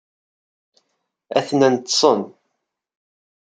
Atnan ṭṭsen.